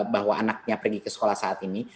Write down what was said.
bahwa anaknya pergi ke sekolah saat ini